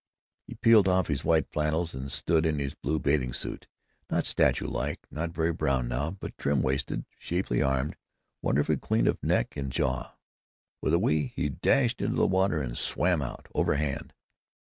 He peeled off his white flannels and stood in his blue bathing suit, not statue like, not very brown now, but trim waisted, shapely armed, wonderfully clean of neck and jaw. With a "Wheee!" he dashed into the water and swam out, overhand.